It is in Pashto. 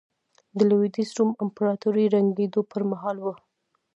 د لوېدیځ روم امپراتورۍ ړنګېدو پرمهال وه.